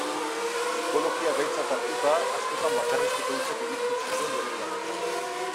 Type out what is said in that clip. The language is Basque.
Psikologia gaitzat hartuta, askotan bakarrizketa hutsak egiten zituen bere lanetan.